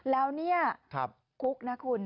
แล้วเนี่ยคุกนะคุณ